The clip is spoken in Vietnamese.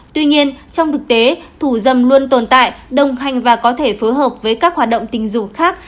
tuy nhiên trong thực tế thủ dâm luôn tồn tại đồng hành và có thể phối hợp với các hoạt động tình dục khác